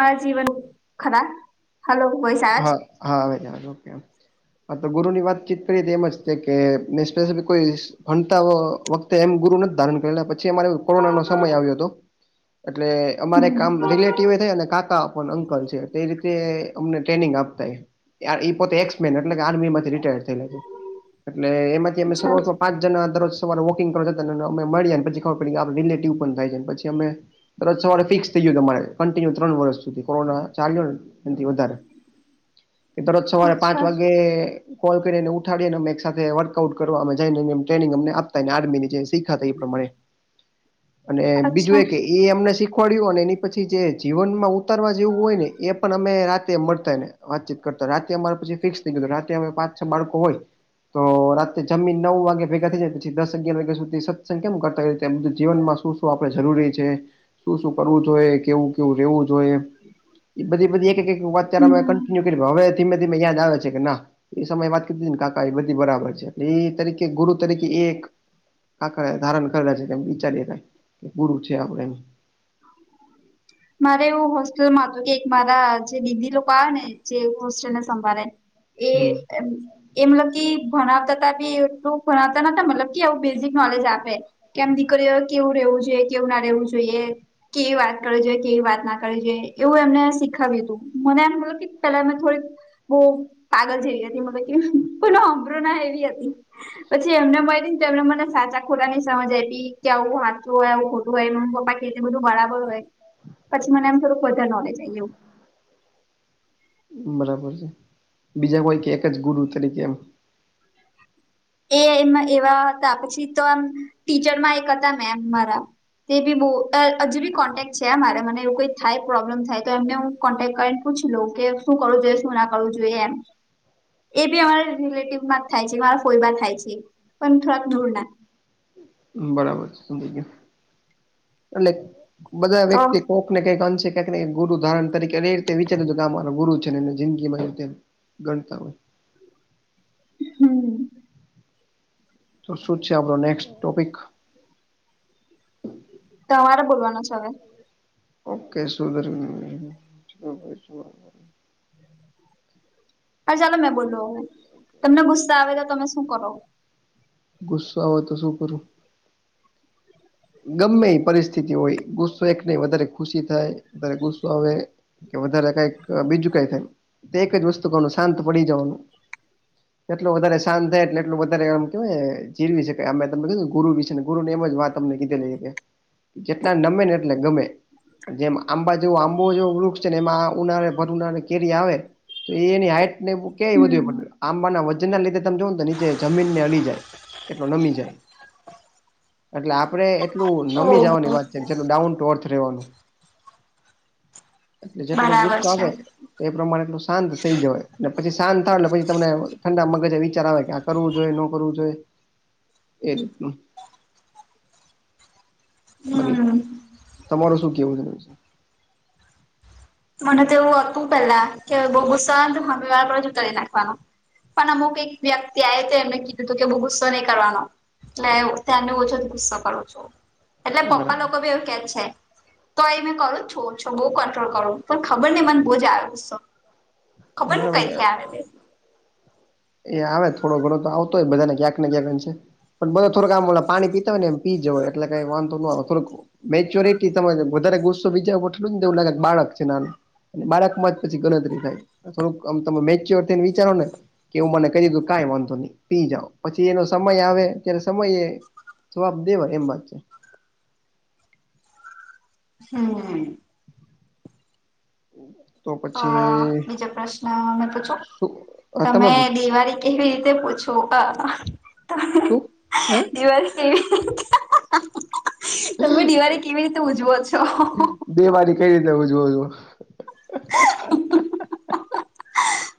મારા જીવન ખરા હલો કોય સાજ. હા હા આવે જ આવે ઓકે હ તો ગુરુની વાતચીત કરીએ તો એ જ છે કે મેં સ્પેસિફિક કોઈ ભણતા વખતે એમ ગુરુ ના જ ધારણ કરેલા પછી પછી અમારો કોરોના નો સમય આવ્યો હતો એટલે અમારે કામ હમ રિલેટવે થાય અને કાકા અંકલ છે તે રીતે અમને ટ્રેનિંગ આપતા પોતે એક્સમેન એટલે કે આર્મી માંથી રિટાયર થયેલા છે એટલે એમાંથી અમે અચ્છા શરૂવાત પાંચ જણા દરરોજ સવારે વોકિંગ કરતા અને અમે મળીએ પી ખબર પડી રિલેટિવ પણ થાય જાય પછી અમે દરોજ સવારે ફિક્સ થ ગયું તમારે કન્ટિન્યુ ત્રણ વર્ષ સુધી. કોરોના ચાલ્યોને એ વધારે દરરોજ સવારે પાંચ અચ્છા વાગે. કોલ કરીને ઉઠાડીને એક સાથે વર્કઆઉટ કરવા જ ટ્રેનિંગ આપ આર્મી જે શીખાતા એ પ્રમાણે અને બીજું અચ્છા એ કે એ અમને શીખવાડ્યું અને એની પછી જે જીવનમાં ઉતરવા જેવું હોય ને એ પણ અમે મળતા ને વાતચીત કરતા રાતે અમારે પછી ફિક્સ થઈ ગયું રાતે અ પાચ છ બાળકો હોય. તો રાતેે જમી નવ વાગે ભેગા થઈ જાય પછી દસ અગિયાર વાગ્યા સુધી. સંખ્યા કરતા એમ જીવનમાં શું શું આપડે જરૂરી છે. શું શું કરવું જોઈએ કેવું કેવું રહેેવું જોઈએ. એ બધી બધી એક એક એક વાત ત્યારે મે હમ કન્ટિન્યુ કરી હવે ધીમે ધીમે યાદ આવે છે કે ના એ સમયે વાત કરીધી ને કાકા એ બધી બરાબર છે એટલે એ તરીકે ગુરુ તરીકે એક કાકાએ ધારણ કરેલા છે કેમ વિચારીએ ક કે ગુરુ છે આપડે એ [inaudible] [unintelligible] મારે એવું હોસ્ટેલમાં હતું કે એક મારા જે દીદી લોકો આવે ને જે હોસ્ટેલ ને સંભાળે. એ હમ એમ. એ મતલબ કે ભણાવતાબી એટલું ભણાવતા નતા મતલબ કે આવું બેઝિક નોલેજ આપે. કેમ દીકરીઓ કેવું રહેવું જોઈએ કેવું ના રહેવું જોઈએ. કેવી વાત કરે છેઈ કેવી વાત ના કરે જોઈ એવું એમને શીખાવ્યું હતું મને એમ મતલબ કે પેલા થોડીક બહ પાગલ જેવી હતી મ કેલો અબરોના એવી હતી પછી એમને મળય ને તો એમને મને સાચા ખોલા ની સમજ આપી કે આવું સાચું હોય આવું ખોટું હોય મમ્મ પપા એ બધું બરાબર હોય પછી મને એમ થોડુંક વધારે નોલેજ આવી ગયું બરાબર છે બીજા કોઈ કે એક જ ગુરુ તરીકે એમ એ એવા હતા પછી તો આમ ટીચરમાં એક હતા મેમ મારા તે બી બહુ હજી બી કોન્ટેક્ટ છે મારે મને એવું કોઈ થાય પ્રોબ્લેમ થાય તો એમને હું કોન્ટેક્ટ કરીને પૂછી લ કે શું કરવું જોઈએ શું ના કરવું જોઈએ એમ એ બી અમારા રિલેટિવ માં જ થાય છે મારા ફોઈમાં થાય છે પણ થોડાક દૂર ના બરાબર છે સમજી ગયો એટલે બધા તો વ્યક્તિ કોક ક કઈકંશે કક ગુ ધારણરીકે એ રીતે વિચાર કે અ મારોુરુ ને એને જિંદગીમાં ગણતા હોય હમ તો શું છે આપણો નેક્સ્ટ ટોપિક તમારે બોલવાનું છે હવે ઓકે સો [inaudible] અરે ચાલો મેં બોલું હવે તમને ગુસ્સા આવે તો તમે શું કરો ગુસ્સો આવે તો શું કરું ગમે એ પરિસ્થિતિ હોય ગુસ્સો એક નહી વધારે ખુશી થાય ત્યારે ગુસ્સો આવે કે વધારે કઈક બીજું કઈ થાય તે એક જ વસ્તુ કરવાનું શાંત પડી જવાનું એટલું વધારે શાંત થાય એટલું વધારે એમ કેવાય જીવી શકે અમે તમે કીધું ગુરુ વિ છેશે ગુરુની એમ વાત તમને કીધે લઈ કે જેટલા નમે ને એટલે ગમે જેમ આંબા જેવો આંબો જેવો વૃક્ષ છે ને એમાં ઉનાળે ભર ઉનાળે કેરી આવે તો એની હાઈટ ને ક્યાંય વધુ હમ પણ આંબાના જેના લીધે તમે જોવ ને તો નીચે જમીનને અડી જાય એટલો નમી જાય હ એટલે આપડણે એટલું ઓ નમી જવાની વાત છે. જેલ ડાઉન ટુ અર્થ રેવાનું એટલે જેટલો બરાબર ગુસ્સો છે આવે તો એ પ્રમાણે એટલું શાંત થઈ જયને પછી શાંત થાય લે પછી તમને ઠંડા મગજે વિચાર આવે કે કરવું જોઈએ ન કરવું જોઈએ એ રીતનું અને હમ તમારું શું કેવું છે મને તો એવું હતું પેલા કે બહુુ ગુસ્સો આવે ને તો હામે વાળા પર જ ઉતારી નાખવાનો પણ અમુક એક વ્યક્તિ આયો હતો એમને ઋવું કીધું તું કે બહુ ગુસ્સો નહીં કરવાનો એટલે ત્યારને ઓછો ગુસ્સો કરુ છું એટલે પપ્પા બરાબર લોકો બી એવું કે છે તો એ મેં કરું છો છું બહ કંટ્રોલ કરું, પણ ખબર ને મન બહુજ આવે ગુસ્સો ખબર ને કઈથી આવે છે? એ આવે થોડો ઘડો તો આવતોય બધાને ક્યાંક ને ક્યાંક એ છે પણ બધો થોડક આમે પાણી પીતા હોય એમ પી જો એટલે કઈ વાંધ ન ના આવે થોડક મેચ્યોરિટી તમે વધારે ગુસ્સો બીજા એટલું ને એવું લાગે બાળક છે નાનું, બાળક માં જ પછી ગણતરી થાય થોડુંક આમ તમે મેચ્યોર થઈને વિચારો ને કે એવું મને કહીધું કઈ વાંધો નહી પી જાાવ પછી એનો સમય આવે ત્યાર સમયે જવાબ દેવાય એમ વાત છે. હમ તો તો પછી બીજો પ્રશ્ન મેં પૂછું શું તમે દિવાળી? કેવી રીતે પૂછવું ક શું હે દિવાળી? વી તમે દિવાળી કેવી રીતે ઉજવો છો? બે વારી કઈ રીતે હું ઉજવુ છુ?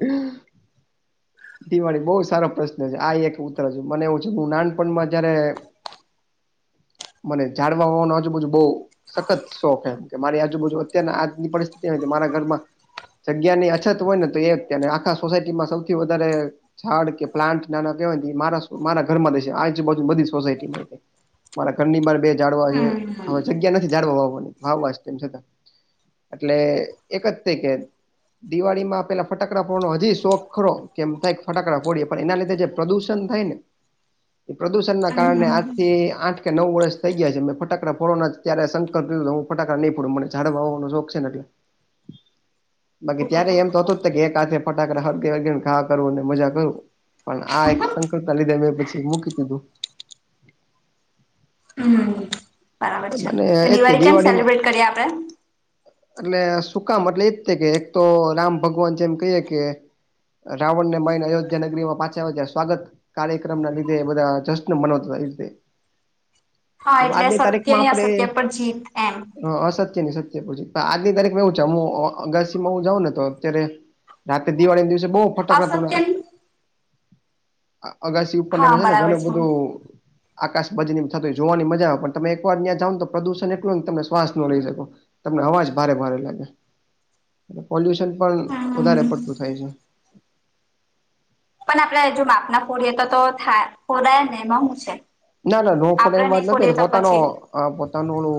હમ દિવાળી બહુ સારો પ્રશ્ન છે આ એક ઉતર છ મને એવું છે હું નાનપણમાં જયારે મને જાડવા હોવાનુંજ બજું બહુ સખત શોખ એમ કે મારી આજુબાજુ અત્યાર આજની પરિસ્થિતિ મારા ઘરમાં જગ્યા ની અછત હોય ને તો એને આખા સોસાયટી માં સૌથી વધારે ઝાડ કે પ્લાન્ટ નાના કહેવાય મારા મારા ઘર માં દે આજ બાજુ બધી સોસાયટીમાં મારા ઘરની બર બે જાડવા છે હવે હમ. જગ્યા નથી જાડવા વાવવાની વાવા તેમ છતાં એટલે એક જ કે તે દિવાળી માં પેલા ફટાકડા ફડવાનો હજી શોખ ખરો, કેમ થાય ફટાકડા ફડીએે પણ એના લીધે જે પ્રદૂષણ થાય ને, એ પ્રદૂષણ ના હમ કારણે આજથી આઠ કે નવ વર્ષ થઈ ગયા છે મે ફટાકડા ફોડવાના જ ત્યારે સંકલ્પ લીધો તો હું ફટાકાડા નહીં ફોડ મને ઝાડવા માં હોવાનો શોખ છે ને એટલે બાકી ત્યારે એમ તો હમ હતું જ કે એકાહાથે ફટાકડા હળગાવી ને ઘા કરવું અને મજા કરવું પણ આ એક સંકલ્પના લીધે મેં પછી મૂકી દીધુંવ હમ બરાબર છે. અને તો એજ તે દિવાળી કેમ દિવાળીમાં સેલિબ્રેટ કરીએ આપડે? એટલે સુકામ એટલે એજ થ કે એક તો રામ ભગવાન જેમ કહીએ કે રાવણ ને મારીને અયોધ્યા નગરી માં પાછા આવ જ્યા સ્વાગત, કાર્યક્રમના લીધે બધા જશ્ ન મનવઈતે હા એટલે આજની તારીખ સત્ય માં અને આપણે અસત્ય પર જીત એમ હ અસત્યની સત્ય પછ તો આજની તારીખમાં એવું છે હું અગાશીમાં હું જાઉં ને તો અત્યારે રાતે દિવાળી ના દિવસે બહુ ફટાકડા અસત્ય [unintelligible] ત અગાસી હા ઉપરમાં છે ને બરાબર ઘણું બધું આકાશ બજની થતો હોય જોવાની મજા આવે પણ તમે એકવાર ત્યાં જાવને તો પ્રદુષણ એટલું ને તમે શ્વાસ ન લઈ શકો. તમને અવાજ ભારે ભારે લાગે પોલ્યુશન પણ હમ વધારે પડતું થાય છે. પણ આપડે જો માપના ફોડીએ તો થાય ફોડાય ને એમાં હું છે? ના ના નો ફોડાય આપડે એમ વાત નહી નથી આ ફોડીએ તો પોતા નો પછી આ પોતાનું ઓલુ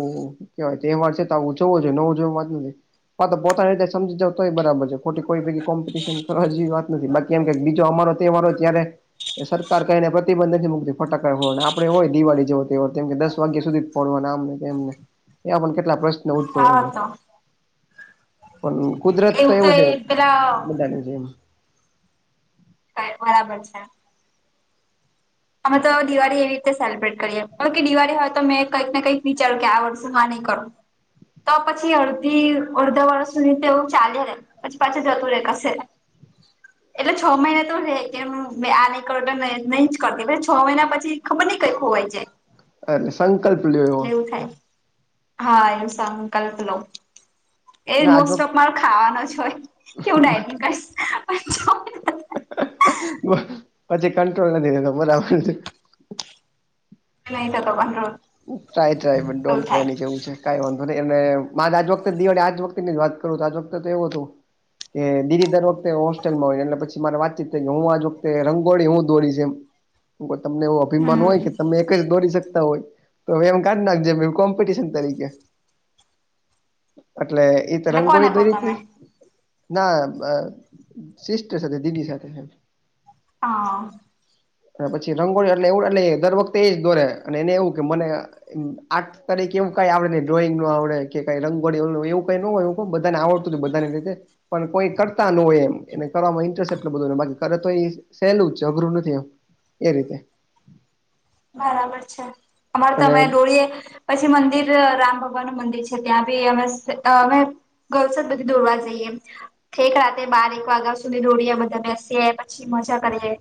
કેવાય તહેવાર છે તો ઉજવો જોઈએ નવું ઉજવો એ વાત નથી હ તો પોતાની રીતે સમજી જ તોય બરાબર છે. ખોટી કોઈ કોમ્પિટશન કરવા જેવી વાત નથી બાકી એમ કે બીજો અમારો તહેવારો ત્યારે સરકાર કહીને પ્રતિબંધકથી મુ ફટાકડા ફોડવાના આમ. આપણે હોય દિવાળી જેવ કે દસ વાગ્યા સુધી જ ફોડવાના મને તેમને એવા પણ કેટલા પ્રશ્ન? હા લપને [inaudible] તો પણ કુદરત તો એવું છે બધાનું છે એમ બરાબર છે અમે તો દિવાળી એવી રીતે સેલિબ્રેટ કરીએ કે દિવાળી હોય તો મેં કંઈક ને કંઈક વિચાર્યું કે આ વર્ષેમાં નહીં કરો. તો પછી અડધી અડધા વર્ષ સુધી તેું ચાલે રે પછી પાછું જતું રે કશે એટલે છ મહિના તો રે કે આ ન કરટ નહી. કરતી પછ છ મહિના પછી ખબર નઈ કઈ ખોવાઈ જાય. એટલે સંકલ્પ લ્યો એટલે એવું એવો થાય હા એવું સકલ્પ લઉ. એ ના જો મોસ્ટ ઓફ મારો ખાવાનો જ હોય કેવું ડાયટિંગ કરીશ. પછી કંટ્રોલ નથી લેતો બરાબર. ન થતો મારો. ટ્રાય ટ્રાય પણ ડોન્ટ ટ્રાય ની જેવું છે. કઈ વાંધો નહી એ મા આજ વખતે દિવાળી આજ વખતે જ વાત કરું આજ વખતે તો એવું હતું કે દીદી દર વખતે હોસ્ટેલમાં હોય એટલેછી મારે વાતચીત થઈ કે હું આજ વખતે રંગોળી હું દોડીશ એમ. તમને એવો અભિમાન હમ હોય કે તમે એક જ દોરી શકતા હોય. તો હવે એમ કાઢ નાખજ કોમ્પિટશન તરીકે એટલે એ તો એટલે કોને રંગોળી કહો દઈ તમે હતી ના સિસ્ટર સાથે દીદી સાથે. હા. અને પછી રંગોળી એટલે એવું એટલે દર વખતે એજ દોરે અને એને એવું કે મને આર્ટ તરીકે એવું કઈ આવડે ને ડ્રોઈંગું આવડ કે કઈ રંગોળીું એવું કઈ ન હોય. બધાને આવડતું હતું બધાને રીતે. પણ કોઈ કરતા ન હોય એમ એને કરવામાં ઇન્ટરેસ્ટ એટલો બધુંને બાકી કરે તો એ સહેલું જ છે અઘરું નથી આમ એ રીતે. બરાબર છે અમારે તો અને અમે દોળએ પછી મંદિર રામ ભગવાન નું મંદિર છે ત્યાં બી અમે અમે ગર્લ્સ જ બધી દોરવા જઈએ. ઠેક રાતે બાર એક વાગ્યા સુધી દોડીએ બધા બેસીએ પછી મજા કરીએ.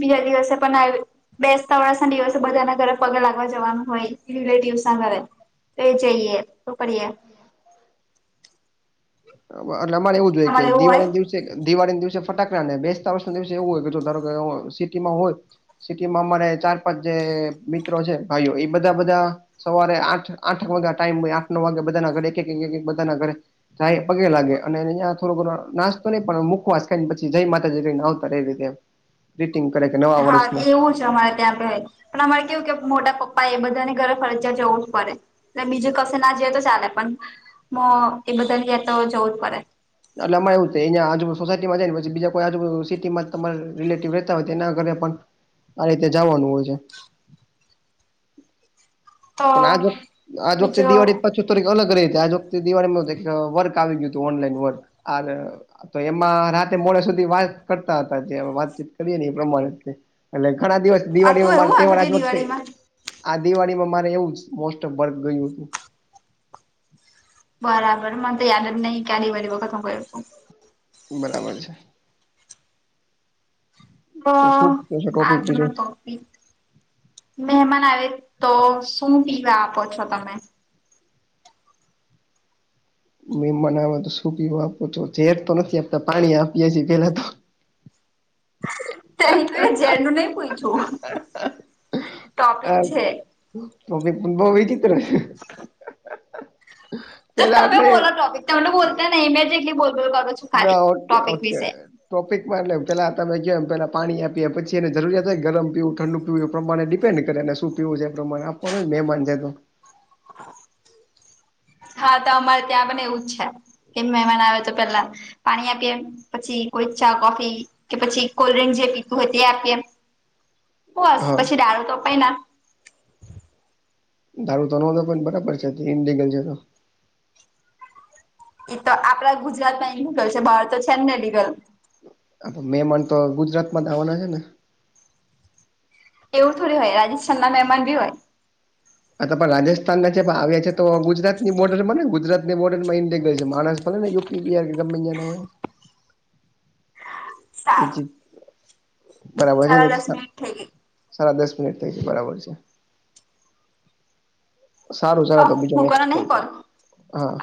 બીજા દિવસે પણ આવી બેસતા વર્ષ ના દિવસે બધાના ઘરે પગે લાગવા જવાનું હોય રિલેટિવસ ના ઘરે એ જઈએ તો કરીએ. એટલે અમારે એવું જોઈએ કે તમારે એવું દિવાળી હોય ના દિવસ દિવાળી દિવસે ફટાકડાને બેસતા વર્સ ના દિવસે એવું હોય કે જો ધારો કે સિટીમાં હોય સિટીમાં અમારે ચાર પાંચ જે મિત્રો છે ભાઈઓ એ બધા બધા સવારે આઠ આઠ વાગે આ ટાઈમ આઠ નવ વાગે બધાના ઘરે એક એક એક એક બધાના ઘરે જાય પગે લાગે અનેહી્યાં થોડો ઘણો નાસ્તો નહી પણ મુખવાસ ખાયને પછી જય માતાજી કઈને આવતા રહેવી રીતે. રીટિંગ કરે કે નવા હા વર્ષના. એવું અમારે ત્યાં પણ અમારે કેવું કે મોટા પપ્પા એ બધાની ઘરે ફરજયા જવું જ પડે. એટલે બીજું કસે ના જઈએ તો ચાલે પણ એ બધા તો જવું જ પડે. એટલે અમાં એવું થ અં આજુ સોસાયટીમાં જાય ને પછી બીજા કો આજુ સિટીમાં તમા રિલેટિવ રતા હોય તો એના ઘરે પણ આ રીતે જવાનું હોય છે. તો પણ આજ વખતે આજ વખતે બીજો દિવાળી પાછી થોડીક અલગ રહી હતી આજ વખતે દિવાળીમાં વર્ગ આવી ગયું હતું ઓનલાઈન વર્ક તો એમાં રાતે મોડે સુધી વાત કરતા હતા જે વાતચીત કરીએ ને એ પ્રમાણે. એટલે ઘણા દિવસ હતું દિવાળીમાં મારર એવું આગળ આજ વખતે દિવાળીમાં આ દિવાળીમાં માર એવું જ મોસ્ટ ઓ બર્ગ ગયું હતું. બરાબર મને તો યાર નહી કઢ પ વ ક તું ક છું બરાબર છે તો શું છે આજ ટોપિક બીજો તો મહેમાન આવે તો. શું પીવા આપો છો તમે? મને તો શું પીવું આપ છો ઝેર તો નથી આપતા પાણી આપીએીએ પેલા તો. [inaudible] ત તો એ ઝેરનુંનુ નહી પૂછું ટોપિક છે. તોી બચિત્ર [unintelligible] હ. તો પેલા તમે એટલે બોલો ટોપિક તમને બોલતા નહીં મેં જેટલી બોલબોલ કરું છું ખાલી ના ઓકે ટોપિક ઓકે વિશે ટોપિકમાં એટલે પેલા તમે ક એમ પેલા પાણી આપીએ પછી એને જરૂરિયાત હોય ગરમ પીવું ઠંડુ એ પ્રમાણે ડિપેન્ડ કરેને શું પીવું છે એ પ્રમાણે આપવાનું મહેમાન છે તો હા તો અમારે ત્યાં બને એવું જ છે કેમ મહેમાન આવે તો પેલા પાણી આપીએ પછી કોઈ ચા કોફી કે પછી કોલ્ડ્રિંક જે પીતું હોય તે આપીએ બસ હા પછી દારૂ તો પી ના દારૂ તનો પણ બરાબર છે [unintelligible] છે તો તો આપડા ગુજરાત માં એ લિકલ છે બહાર તો છે ને લીગલ મહેમાન તો ગુજરાતમાં જ આવવાના છે ને એવું થોડ હોય રાજસ્થાન ના મહેમાન ભી હોય આ તમા રાજસ્થાન ના જે આવ્યા છે તો ગુજરાતની બોર્ડર પર ને ગુજરાતની બોર્ડર માં ઇન્ટેક ગયો છે [unintelligible] [unintelligible] હોય સારું બરાબર છે સાડા દસ [unintelligible] મિનિટ થઈ ગઈ સાડા દસ મિનીટ થય ગયે બરાબર છે સારું સારૂ તો બીજો નેક્સ્ટ કોલ કરો હા